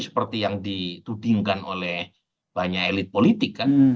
seperti yang ditudingkan oleh banyak elit politik kan